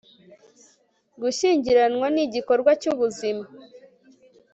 gushyingiranwa ni igikorwa cy'ubuzima